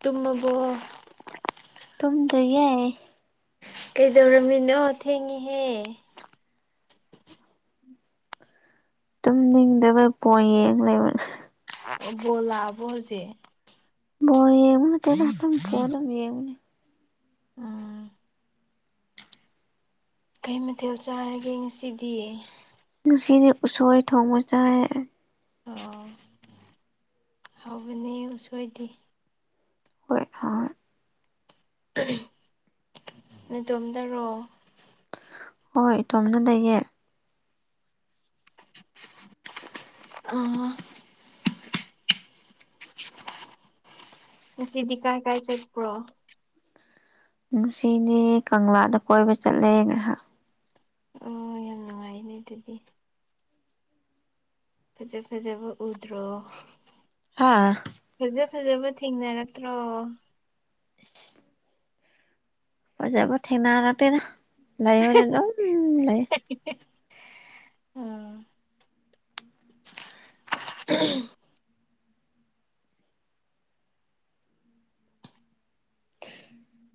ꯇꯨꯝꯃꯕꯣ ꯇꯨꯝꯗꯤꯌ‌ꯦ ꯀꯩꯗꯧꯔꯝꯃꯤꯅꯣ ꯊꯦꯡꯉꯤꯍꯦ ꯇꯨꯝꯅꯤꯡꯗꯕ ꯄꯣꯛꯑ‌ꯦ ꯂꯩꯕꯅꯦ ꯑ‌ꯦ ꯕꫭꯜ ꯂꯛꯑꯕꫭ ꯍꯧꯖꯤꯛ ꯕꫭꯜ ꯌ‌ꯦꯡꯕ ꯅꯠꯇ‌ꯦꯗꯥ ꯑꯗꯨꯝ ꯐꫭꯟꯗꯥ ꯑꯗꯨꯝ ꯌ‌ꯦꯡꯕꯅꯤ ꯎꯝ ꯀꯩ ꯃꯊꯦꯜ ꯆꯥꯔꯒꯦ ꯉꯁꯤꯗꯤ ꯉꯁꯤꯗꯤ ꯎꯁꯣꯏ ꯊꯣꯡꯕ ꯆꯥꯏꯦ ꯑꯣ ꯍꯕꯅꯦ ꯎꯁꯣꯏꯗꯦ ꯍꯣꯏ ꯍ ꯅꯗꯣꯝꯗꯔꯣ ꯍꯣꯏ ꯇꯣꯝꯅ ꯂꯩꯌꯦ ꯑ ꯉꯁꯤꯗꯤ ꯀꯥꯏ ꯀꯥꯏ ꯆꯠꯄ꯭ꯔꯣ ꯉꯁꯤꯗꯤ ꯀꯪꯂꯥꯗ ꯀꯣꯏꯕ ꯆꯠꯂꯦ ꯉꯥꯏꯍꯥꯛ ꯎꯝ ꯌꯥꯝ ꯅꯨꯡꯉꯥꯏꯅꯦ ꯑꯗꯨꯗꯤ ꯐꯖ ꯐꯖꯕ ꯎꯗ꯭ꯔꯣ ꯍꯥꯥ ꯐꯖ ꯐꯖꯕ ꯊꯦꯡꯅꯔꯛꯇ꯭ꯔꯣ [unintelligible] ꯐꯖꯕ ꯊꯦꯡꯅꯔꯛꯇ‌ꯦꯗ ꯂꯩꯕꯗꯤ ꯑꯗꯨꯝ ꯂꯩ ꯑꯥ ꯎ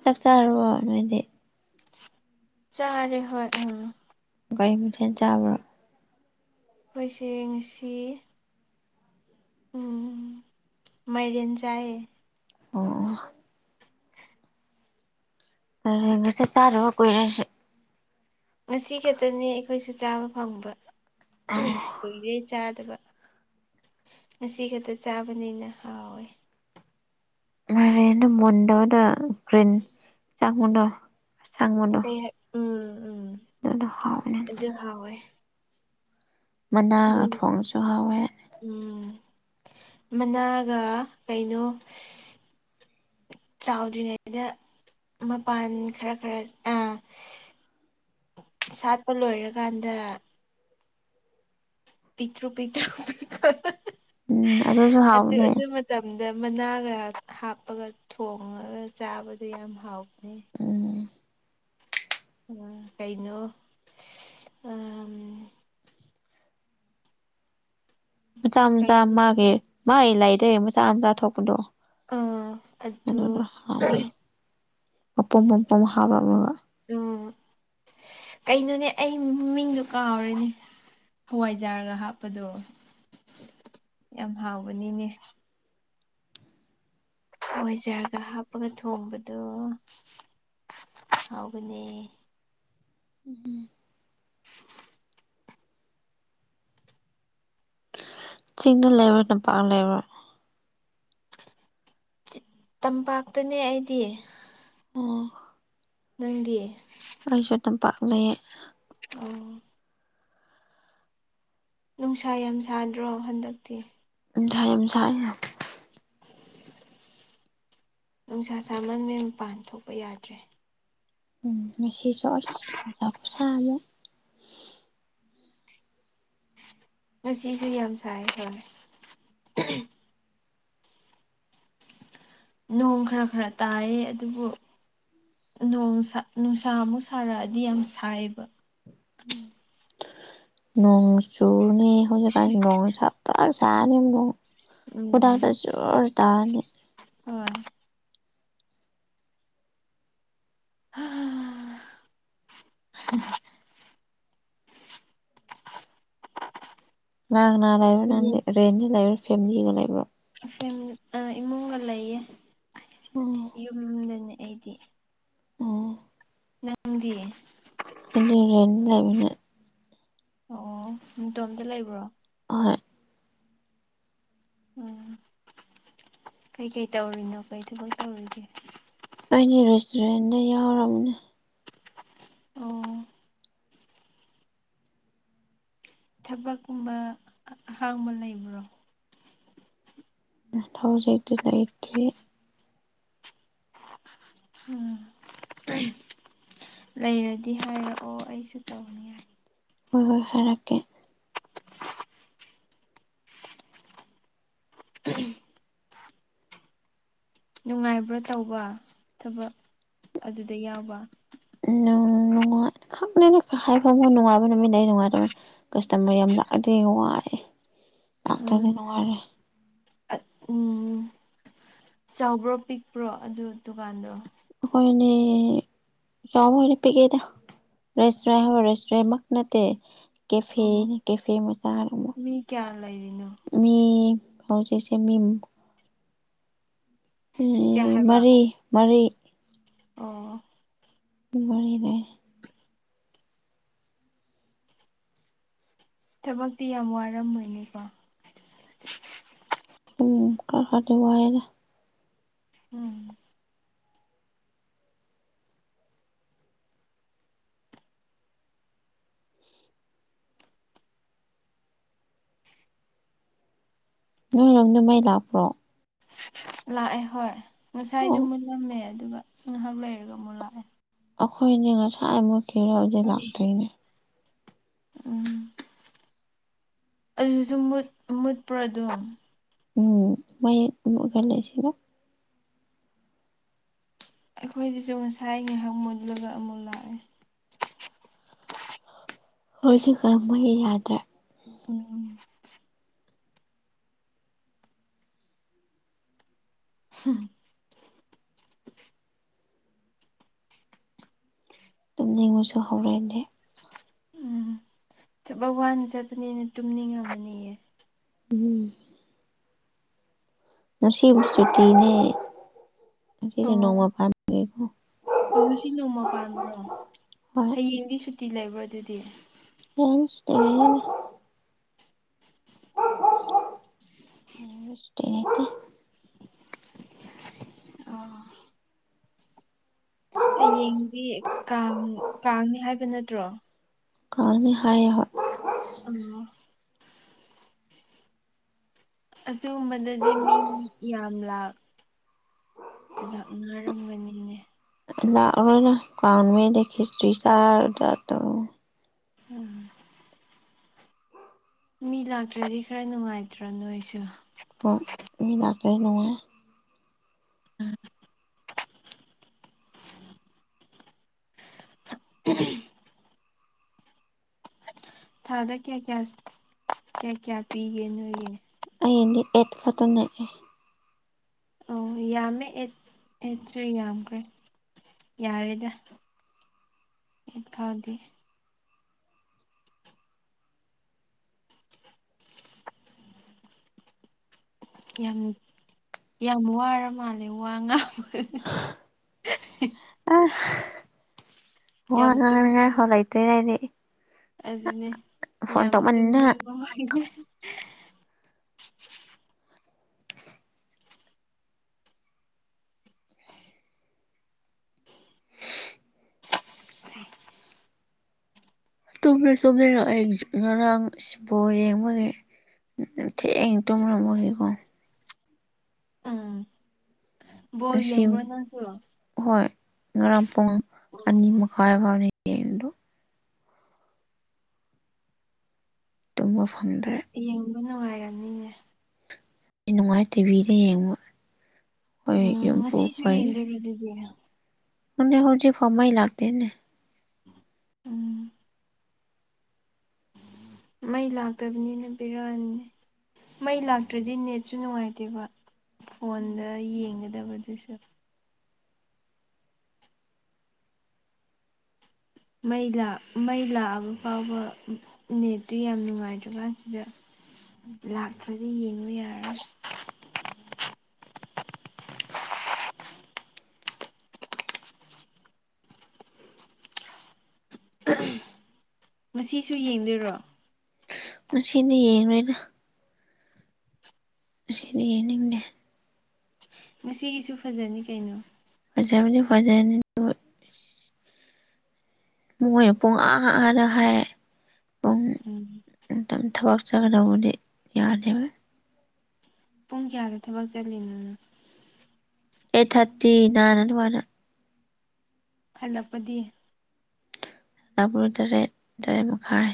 ꯆꯞ ꯆꯥꯔꯔꯕꯣ ꯅꯣꯏꯗꯤ ꯆꯥꯔꯦ ꯍꯣꯏ ꯎꯝ ꯒꯥꯔꯤ ꯃꯊꯦꯜ ꯆꯥꯕ꯭ꯔꯣ ꯑꯩꯈꯣꯏꯁꯦ ꯉꯁꯤ ꯎꯝ ꯃꯥꯏꯔꯦꯟ ꯆꯥꯏꯌꯦ ꯑꯣ ꯁ ꯆꯥꯔ ꯀꯣꯏꯔꯁꯤꯦ ꯉꯁꯤ ꯈꯛꯇꯅꯦ ꯑꯩꯈꯣꯏꯁꯨ ꯆꯥꯕ ꯐꯪꯕ ꯀꯨꯏꯔꯦ ꯆꯥꯗꯕ ꯉꯁꯤ ꯈꯛꯇ ꯆꯥꯕꯅꯤꯅ ꯍꯥꯎꯋꯦ ꯃꯔꯣꯔꯦꯅ ꯃꯨꯟꯗꯗ ꯒ꯭ꯔꯤꯟ ꯆꯥꯡꯉꯨꯗꯣ ꯑꯩ ꯎꯝ ꯎꯝ ꯑꯗꯨꯗ ꯍꯥꯎꯅ ꯈꯥꯎꯋꯦ ꯃꯅꯥ ꯊꯣꯡꯕꯁꯨ ꯍꯥꯎꯋꯦ ꯎꯝ ꯃꯅꯥꯒ ꯀꯩꯅꯣ ꯆꯥꯎꯗ꯭ꯔꯤꯉꯩꯗ ꯃꯄꯥꯟ ꯈꯔ ꯈꯔ ꯑꯥ ꯁꯥꯠꯄ ꯂꯣꯏꯔꯀꯥꯟꯗ ꯄꯤꯛꯇ꯭ꯔꯨ ꯄꯤꯛꯇ꯭ꯔꯨ [unintelligible] ꯎꯝ ꯑꯗꯨꯁꯨ ꯑꯗꯨ ꯍꯥꯎꯕꯅꯦ ꯑꯗꯨ ꯃꯇꯝꯗ ꯃꯅꯥꯒ ꯍꯥꯞꯄꯒ ꯊꯣꯡꯉꯒ ꯆꯥꯕꯗꯨ ꯌꯥꯝ ꯍꯥꯎꯕꯅꯦ꯫ ꯎꯝ ꯎꯝ ꯀꯩꯅꯣ ꯑ ꯃꯆꯥ ꯃꯆꯥ ꯀꯩꯅꯣꯃ ꯃꯥꯒꯤ ꯃꯥꯒꯤ ꯂꯥꯏꯗꯩ ꯃꯆꯥ ꯃꯆꯥ ꯊꯣꯛꯄꯗꯣ꯫ ꯑꯥ ꯑꯗꯨ ꯑꯄꯝꯕ ꯑꯄ ꯍꯥꯏ ꯎꯝ ꯀꯩꯅꯣꯅꯦ ꯑꯩ ꯃꯤꯡꯗꯨꯣ ꯀꯥꯎꯔꯅꯦꯦ ꯍꯋꯥꯏꯖꯥꯔꯒ ꯍꯥꯞꯄꯗꯣ ꯌꯥꯝ ꯍꯥꯎꯕꯅꯤꯅꯦ ꯋꯥꯖꯔꯒ ꯍꯥꯞꯄꯒ ꯊꯣꯡꯕꯗꯣ ꯍꯥꯎꯕꯅꯦ ꯎꯝ [inaudible] ꯆꯤꯡꯗ ꯂꯩꯔꯣꯏ ꯂꯝꯝꯄꯥꯛ ꯂꯩꯔꯣꯏ ꯇꯝꯄꯥꯛꯇꯅꯦ ꯑꯩꯗꯤ ꯑꯣ꯫ ꯅꯪꯗꯤ꯫ ꯑꯩꯁꯨ ꯇꯝꯄꯥꯛ ꯂꯩꯌꯦ꯫ ꯑꯣ ꯅꯨꯡꯁꯥ ꯌꯥꯝ ꯁꯥꯗ꯭ꯔꯣ ꯍꯟꯗꯛꯇꯤ ꯎꯝ ꯊꯥ ꯌꯥꯝ ꯁꯥꯏ ꯌꯥꯝ꯫ ꯅꯨꯡꯁꯥ ꯁꯥꯃꯟꯕꯩ ꯃꯄꯥꯟ ꯊꯣꯛꯄ ꯌꯥꯗ꯭ꯔꯦ꯫ ꯎꯝ ꯉꯁꯤꯁꯨ ꯑꯁ ꯅꯨꯡꯁꯥ ꯈꯨꯁꯥ ꯑꯃ ꯉꯁꯤꯁꯨ ꯌꯥꯝ ꯁꯥꯏ ꯍꯣꯏ꯫ ꯅꯣꯡ ꯈꯔ ꯈꯔ ꯇꯥꯏꯌꯦ ꯑꯗꯨꯕꯨ ꯅꯣꯡꯁꯥ ꯅꯨꯡꯁꯥ ꯑꯃꯨꯛ ꯁꯥꯔꯛꯑꯗꯤ ꯌꯥꯝ ꯁꯥꯏꯑꯦꯕ꯫ [inaudible] ꯅꯣꯡ ꯆꯨꯅꯤ ꯍꯧꯖꯤꯛꯀꯥꯟ ꯅꯣꯡꯁꯥ ꯐꯅ ꯁꯥꯟꯅꯤ ꯑꯃꯨꯛ [unintelligible] ꯖꯣꯔ ꯇꯥꯅꯤ꯫ ꯎꯝ ꯍꯝ ꯅꯪꯅꯥ ꯂꯩꯕ ꯅꯪꯗꯤ ꯔꯦꯟꯗ ꯂꯩꯕ꯭ꯔꯣ ꯐꯦꯝꯃꯤꯂꯤꯗ ꯂꯩꯕ꯭ꯔꯣ꯫ [unintelligible] ꯏꯃꯨꯡꯒ ꯂꯩꯌꯦ꯫ ꯎꯝ꯫ ꯌꯨꯝꯗꯅꯦ ꯑꯩꯗꯤ꯫ ꯎꯝ꯫ ꯅꯪꯗꯤ ꯑꯩꯗꯤ ꯔꯦꯟ ꯂꯩꯕꯅꯦ꯫ ꯑꯣ ꯑꯣ ꯅꯇꯣꯝꯇ ꯂꯩꯕ꯭ꯔꯣ꯫ ꯍꯣꯏ꯫ ꯎꯝ ꯀꯩꯀꯩ ꯇꯧꯔꯤꯅꯣ ꯀꯩ ꯊꯕꯛ ꯇꯧꯔꯤꯒꯦ꯫ ꯑꯩꯒꯤ ꯔꯦꯁꯇꯨꯔꯦꯟꯗ ꯌꯥꯎꯔꯝꯅꯦ꯫ ꯑꯣ꯫ ꯊꯕꯛꯀꯨꯝꯕ ꯑꯍꯥꯡꯕ ꯂꯩꯕ꯭ꯔꯣ꯫ ꯎꯝ ꯊꯕꯛꯁꯦ ꯍꯧꯖꯤꯛꯇꯤ ꯂꯩꯇꯔꯤ꯫ ꯎꯝ ꯂꯩꯔꯗꯤ ꯍꯥꯏꯔꯛꯑꯣ ꯑꯩꯁꯨ ꯇꯧꯅꯤꯡꯉꯥꯏ꯫ ꯍꯣꯏ ꯍꯣꯏ ꯍꯥꯏꯔꯛꯀꯦ꯫ ꯅꯨꯡꯉꯥꯏꯕ꯭ꯔꯥ ꯇꯧꯕ ꯊꯕꯛ ꯑꯗꯨꯗ ꯌꯥꯎꯕ꯫ ꯅꯨꯡ ꯅꯨꯡꯉꯥꯏ ꯈꯪꯗꯦꯗ ꯈꯍꯥꯏꯐꯝꯅꯣ ꯅꯨꯡꯉꯥꯏꯕ ꯅꯨꯃꯤꯠ ꯂꯩ ꯅꯨꯡꯉꯥꯏꯇꯕ ꯀꯁꯇꯃꯔ ꯌꯥꯝ ꯂꯥꯛꯑꯗꯤ ꯋꯥꯔꯦ ꯂꯥꯛꯇꯗꯤ ꯅꯨꯡꯉꯥꯏꯔꯦ ꯑꯠ ꯎꯝ ꯆꯥꯎꯕ꯭ꯔꯣ ꯄꯤꯛꯄ꯭ꯔꯣ ꯑꯗꯨ ꯗꯨꯀꯥꯟꯗꯣ ꯑꯈꯣꯏꯅꯦ ꯆꯥꯎꯕ ꯑꯣꯏꯗꯦ ꯄꯤꯛꯑꯦꯗ ꯔꯦꯁꯇꯨꯔꯦꯟ ꯍꯥꯏꯔ ꯔꯦꯁꯇꯨꯔꯦꯟꯃꯛ ꯅꯠꯇꯦ ꯑꯣ ꯀꯦꯐꯦꯅꯤ ꯀꯦꯐꯦ ꯃꯆꯥꯔ ꯑꯃꯨ ꯃꯤ ꯀꯌꯥ ꯂꯩꯔꯤꯅꯣ ꯃꯤ ꯍꯧꯖꯤꯛꯁꯦ ꯃꯤ ꯃꯤ ꯀꯌꯥ ꯍꯥꯏꯕ ꯃꯔꯤ ꯃꯔꯤ ꯑꯣ꯫ ꯄꯨꯡ ꯃꯔꯤꯗꯩ ꯊꯕꯛꯇꯤ ꯌꯥꯝ ꯋꯥꯔꯝꯃꯣꯏꯅꯦꯀꯣ꯫ ꯎꯝ ꯈꯈꯔꯗꯤ ꯋꯥꯏꯌꯦꯗ꯫ ꯎꯝ꯫ ꯅꯣꯏꯔꯣꯝꯗ ꯃꯩ ꯂꯥꯛꯄ꯭ꯔꯣ꯫ ꯂꯥꯛꯑꯦ ꯍꯣꯏ ꯉꯁꯥꯏꯗꯨ ꯑꯣ ꯃꯨꯠꯂꯝꯃꯦ ꯑꯗꯨꯒ ꯉꯥꯍꯥꯛ ꯂꯩꯔꯒ ꯑꯃꯨꯛ ꯂꯥꯛꯑꯦ꯫ ꯑꯩꯈꯣꯏꯅꯦ ꯉꯁꯥꯏ ꯃꯨꯠꯈꯤꯕꯗꯣ ꯍꯧꯖꯤꯛ ꯂꯥꯛꯇꯔꯤꯅꯦ ꯎꯝ ꯑꯗꯨꯖꯨ ꯃꯨꯠ ꯃꯨꯠꯄ꯭ꯔꯣ ꯑꯗꯨꯝ ꯎꯝ ꯃꯌꯦꯛ ꯎꯝ ꯑꯣꯏꯍꯜꯂꯦ ꯁꯤꯔ ꯑꯩꯈꯣꯏꯁꯤꯁꯨ ꯉꯁꯥꯏ ꯉꯥꯏꯍꯥꯛ ꯃꯨꯜꯂꯒ ꯑꯃꯨꯛ ꯂꯥꯛꯑꯦ ꯍꯧꯖꯤꯛꯀꯥꯟ ꯃꯩ ꯌꯥꯗ꯭ꯔꯦ ꯎꯝ ꯍꯥꯝ ꯇꯨꯝꯅꯤꯡꯕꯁꯨ ꯍꯧꯔꯛꯑꯦꯅꯦ ꯆꯠꯕ ꯋꯥꯅ ꯆꯠꯄꯅꯤꯅ ꯇꯨꯝꯅꯤꯡꯉꯕꯅꯤꯌꯦ ꯎꯝ ꯉꯁꯤꯕꯨꯗꯤ ꯁꯨꯇꯤꯅꯦ ꯉꯁꯤꯗꯤ ꯑꯣ ꯑꯣ ꯅꯣꯡꯃ ꯄꯥꯟꯕꯒꯤꯀꯣ ꯑꯣ ꯉꯁꯤ ꯅꯣꯡꯃ ꯄꯥꯟꯕꯔꯣ ꯍꯣꯏ ꯍꯌꯦꯡꯗꯤ ꯁꯨꯇꯤ ꯂꯩꯕ꯭ꯔꯣ ꯑꯗꯨꯗꯤ ꯍꯌꯦꯡ ꯁꯨꯇꯤ ꯂꯩꯌꯦꯅꯥ ꯍꯌꯦꯡꯗꯤ ꯁꯨꯇꯤ ꯂꯩꯇꯦ ꯑꯣ ꯍꯌꯦꯡꯗꯤ ꯀꯥꯡ ꯀꯥꯡꯅꯦ ꯍꯥꯏꯕ ꯅꯠꯇ꯭ꯔꯣ ꯀꯥꯖꯦ ꯍꯥꯏ ꯍꯣꯏ ꯇꯝꯉꯣ ꯑꯗꯨꯒꯨꯝꯕꯗꯗꯤ ꯃꯤ ꯌꯥꯝ ꯂꯥꯛ ꯂꯥꯛꯅꯔꯝꯒꯅꯤꯅꯦ ꯂꯥꯛꯑꯣ ꯀꯥꯎꯟꯁꯤ ꯇꯏ ꯆꯥꯗ ꯎꯝ ꯃꯤ ꯂꯥꯛꯇ꯭ꯔꯗꯤ ꯈꯔ ꯅꯨꯡꯉꯥꯏꯇ꯭ꯔꯣ ꯅꯣꯏꯁꯨ ꯃꯤ ꯂꯥꯛꯠꯔ꯭ ꯗꯤ ꯅꯨꯡꯉꯥꯏꯌꯦ ꯎꯝ ꯎꯝ ꯊꯥꯗ ꯀꯌꯥ ꯀꯌꯥ ꯀꯌꯥ ꯀꯌꯥ ꯄꯤꯒꯦ ꯅꯣꯏꯒꯤ ꯑꯩꯗꯤ ꯑꯦꯠ ꯈꯠꯇꯅꯦ ꯑꯣ ꯌꯥꯝꯃꯦ ꯑꯦꯠ ꯑꯦꯠꯁꯨ ꯌꯥꯝꯈ꯭ꯔꯦ ꯌꯥꯔꯦꯗ ꯈꯔꯥꯗꯤ ꯌꯥꯝ ꯌꯥꯝ ꯋꯥꯔ ꯃꯥꯜꯂꯦ ꯋꯥ ꯉꯥꯡ ꯑ ꯋꯥ ꯌꯥꯝ ꯉꯥꯡꯕ ꯇꯨꯝꯅꯤꯡ ꯍꯩꯇꯦꯗ ꯑꯩꯗꯤ ꯑꯗꯨꯅꯦ ꯐꯣꯟ ꯌꯥꯝ ꯇꯧꯃꯟꯗꯅ ꯇꯨꯝꯅꯤꯡꯕ ꯃꯥꯟꯈꯔ꯭ꯦ ꯇꯨꯝꯁꯨ ꯇꯨꯝꯗꯔ꯭ꯦ ꯑꯩ ꯉꯔꯥꯡꯁꯨ ꯕꯣꯜ ꯌꯦꯡꯕꯒꯤ ꯎꯝ ꯊꯦꯡꯅ ꯇꯨꯝꯔꯝꯃꯒꯤꯀꯣ ꯎꯝ ꯕꯣꯜ ꯉꯁꯤ ꯌꯦꯡꯕ꯭ꯔꯣ ꯅꯪꯁꯨ ꯑꯣ ꯍꯣꯏ ꯉꯔꯥꯡ ꯄꯨꯡ ꯑꯅꯤ ꯃꯈꯥꯏ ꯐꯥꯎꯅꯤ ꯇꯨꯝꯕ ꯐꯪꯗ꯭ꯔꯦ ꯌꯦꯡꯕ ꯅꯨꯡꯉꯥꯏꯔꯝꯅꯤꯅꯦ ꯑꯩ ꯅꯨꯡꯉꯥꯏ ꯇꯤꯚꯤꯗ ꯌꯦꯡꯕ ꯍꯣꯏ ꯌꯨꯝ ꯄꯨꯈ ꯗꯨꯗꯤ ꯈꯪꯗꯦ ꯍꯧꯖꯤꯛꯐꯥꯎ ꯃꯩꯂꯥꯛꯇꯅꯦ ꯎꯝ ꯃꯩ ꯂꯥꯛꯇꯕꯅꯤꯅ ꯕꯦꯔꯥꯅꯤꯍꯦ ꯃꯩ ꯂꯥꯛꯇ꯭ꯔꯗꯤ ꯅꯦꯠꯁꯨ ꯅꯨꯡꯉꯥꯏꯇꯦꯕ ꯐꯣꯟꯗ ꯌꯦꯡꯒꯗꯕꯗꯨꯁꯨ ꯃꯩ ꯃꯩ ꯂꯥꯛꯑꯕ ꯐꯥꯎꯕ ꯅꯦꯠꯇꯨ ꯌꯥꯝ ꯅꯨꯡꯉꯥꯏꯇ꯭ꯔꯀꯥꯟꯁꯤꯗ ꯂꯥꯛꯇꯔ꯭ ꯗꯤ ꯌꯦꯡꯕ ꯌꯥꯔꯔꯣꯏ ꯉꯁꯤꯁꯨ ꯌꯦꯡꯗꯣꯏꯔꯣ ꯉꯁꯤꯗꯤ ꯌꯦꯡꯉꯣꯏꯗ ꯉꯥꯁꯤꯗꯤ ꯌꯦꯡꯅꯤꯡꯗꯦ ꯉꯁꯤꯒꯤꯁꯨ ꯐꯖꯅꯤ ꯀꯩꯅꯣ ꯐꯗꯤ ꯐꯖꯅꯤ ꯑꯗꯣ ꯃꯣꯏꯅ ꯄꯨꯡ ꯑꯥ ꯑꯥꯅ ꯍꯥꯏ ꯄꯨꯡ ꯎꯝ ꯊꯕꯛ ꯆꯠꯒꯗꯧꯕꯗꯤ ꯌꯥꯗꯦꯕ ꯄꯨꯡ ꯀꯌꯥꯗ ꯊꯕꯛ ꯆꯠꯂꯤꯅꯣ ꯅꯪ ꯑꯩꯠ ꯊꯥꯔꯇꯤ ꯅꯥꯏꯟ ꯑꯗꯨꯋꯥꯏꯗ ꯍꯜꯂꯛꯄꯗꯤ ꯅꯨꯡꯗꯥꯡ ꯄꯨꯡ ꯇꯔꯦꯠ ꯇꯔꯦꯠ ꯃꯈꯥꯏ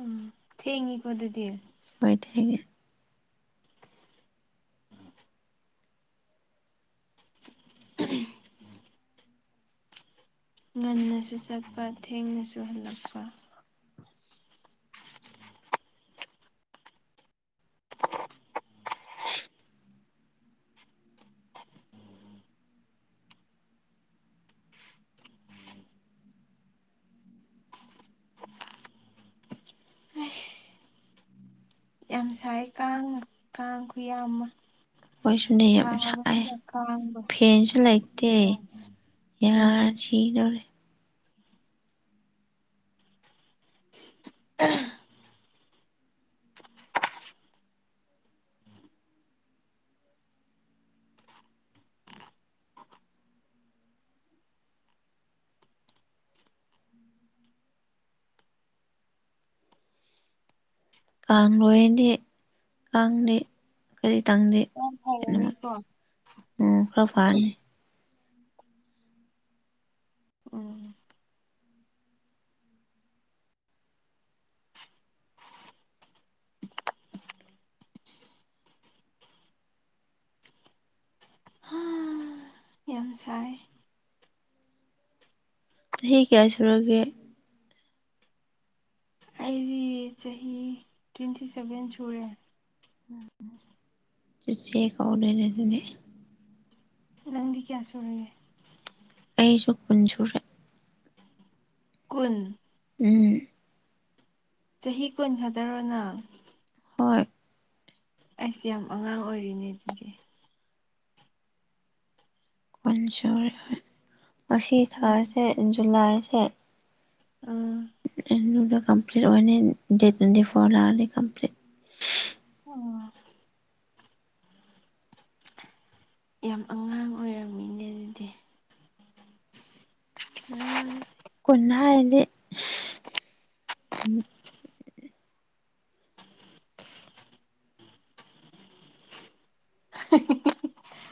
ꯎꯝ ꯊꯦꯡꯉꯤꯀꯣ ꯑꯗꯨꯗꯤ ꯍꯣꯏ ꯊꯦꯡꯉꯦ ꯎꯝ ꯉꯟꯅꯁꯨ ꯆꯠꯄ ꯊꯦꯡꯅꯁꯨ ꯍꯜꯂꯛꯄ ꯑꯁ ꯌꯥꯝ ꯁꯥꯏ ꯀꯥꯡ ꯀꯥꯡ ꯈꯨꯌꯥꯝ ꯑꯃ ꯈꯣꯏꯁꯨꯅꯦ ꯌꯥꯝ ꯁꯥꯏ ꯁꯥꯕꯁꯤꯗ ꯀꯥꯡꯗꯣ ꯐꯦꯟꯁꯨ ꯂꯩꯇꯦ ꯕꯦꯔꯥꯅꯤ ꯌꯥ ꯎꯝ ꯁꯤꯗꯣꯔꯦ [unintelligible] ꯀꯥꯡ ꯂꯣꯏꯗꯤ ꯀꯥꯡꯗꯤ ꯀꯔꯤꯇꯪꯂꯤ ꯍ ꯃꯤꯠꯇꯣ ꯈꯔ ꯐꯔꯅꯤ ꯎꯝ ꯌꯥꯝ ꯁꯥꯏ ꯆꯍꯤ ꯀꯌꯥ ꯁꯨꯨꯔꯒꯦ ꯑꯩꯗꯤ ꯆꯍꯤ ꯇ꯭ꯋꯦꯟꯇꯤ ꯁꯚꯦꯟ ꯁꯨꯔꯦ ꯆꯦꯆꯦ ꯀꯧꯗꯣꯏꯅꯦ ꯑꯗꯨꯗꯤ ꯅꯪꯗꯤ ꯀꯌꯥ ꯁꯨꯔꯒꯦ ꯑꯩꯁꯨ ꯀꯨꯟ ꯁꯨꯔꯦ ꯀꯨꯟ ꯎꯝ ꯆꯍꯤ ꯀꯣꯟ ꯈꯛꯇꯔꯣ ꯅꯪ ꯍꯣꯏ ꯏꯁ꯭ ꯌꯥꯝ ꯑꯉꯥꯡ ꯑꯣꯏꯔꯤꯅꯦ ꯑꯗꯨꯗꯤ ꯀꯨꯟ ꯁꯨꯔꯦ ꯉꯁꯤ ꯎꯝ ꯊꯥꯁꯦ ꯖꯨꯂꯥꯏꯁꯦ ꯎꯝ ꯗ ꯀꯝꯄꯂꯤꯠ ꯑꯣꯏꯅꯅꯤ ꯗꯦ ꯇ꯭ꯋꯦꯟꯇꯤ ꯐꯣꯔ ꯂꯛꯑꯗꯤ ꯀꯝꯄꯂꯤꯠ ꯑꯣ ꯌꯥꯝ ꯑꯉꯥꯡ ꯑꯣꯏꯔꯝꯃꯤꯅꯦ ꯑꯗꯨꯗꯤ [inaudible] ꯀꯣꯟ ꯍꯥꯏꯔꯥꯗꯤ